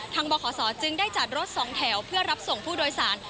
บขศจึงได้จัดรถสองแถวเพื่อรับส่งผู้โดยสาร